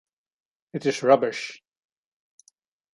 It is rubbish.